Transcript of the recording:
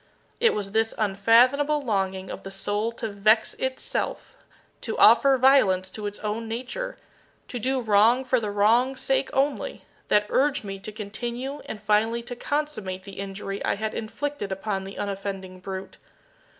It was this unfathomable longing of the soul to vex itself to offer violence to its own nature to do wrong for the wrong's sake only that urged me to continue and finally to consummate the injury I had inflicted upon the unoffending brute.